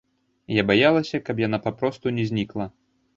Я баялася, каб яна папросту не знікла.